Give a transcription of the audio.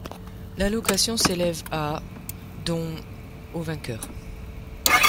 L'allocation s'élève à dont au vainqueur.